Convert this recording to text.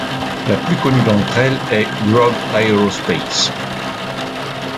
La plus connue d'entre elles est Grob Aerospace.